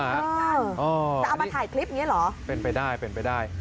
ใช่จะเอามาถ่ายคลิปนี้เหรอเป็นไปได้เป็นไปได้